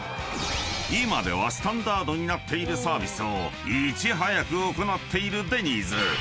［今ではスタンダードになっているサービスをいち早く行っているデニーズ］